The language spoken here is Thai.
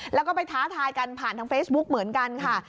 แล้วก็ไปท้าทายกันผ่านทางเฟซบุ๊กเหมือนกันค่ะ